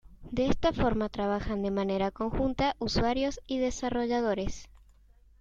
De esta forma, trabajan de manera conjunta usuarios y desarrolladores.